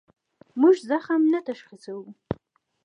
موږ خپل زخم نه تشخیصوو.